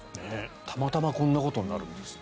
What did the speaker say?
たまたまこんなことになるんですって。